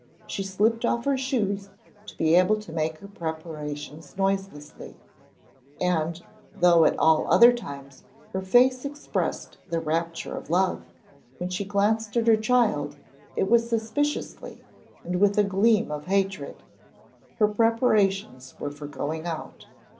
She slipped off her shoes to be able to make her preparations noiselessly, and though at all other times her face expressed the rapture of love, when she glanced at her child it was suspiciously and with a gleam of hatred. Her preparations were for going out.